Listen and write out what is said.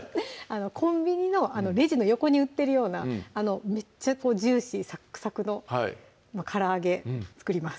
コンビニのレジの横に売ってるようなめっちゃジューシーサックサクのからあげ作ります